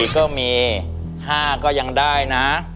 ก็มี๕ก็ยังได้นะ